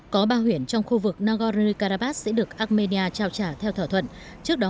có ba huyện trong khu vực nagorno karabakh sẽ được armenia trao trả theo thỏa thuận